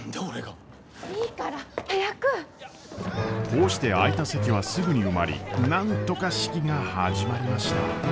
こうして空いた席はすぐに埋まりなんとか式が始まりました。